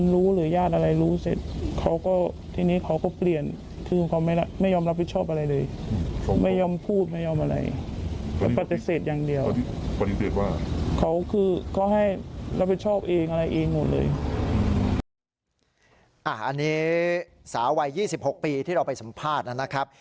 สาวัย๒๖ปีที่เราไปสัมภาษณ์นะครับ